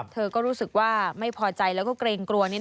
เธอก็รู้สึกว่าไม่พอใจแล้วก็เกรงกลัวนี่